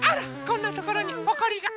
こんなところにほこりが。